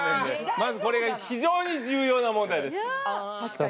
まずこれが非常に重要な問題確かに。